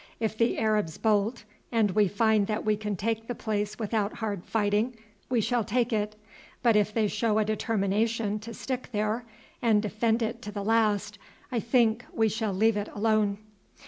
If the Arabs bolt, and we find that we can take the place without hard fighting, we shall take it; but if they show a determination to stick there and defend it to the last I think we shall leave it alone."